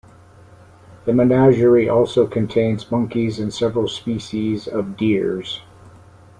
The menagerie also contains monkeys and several species of deers.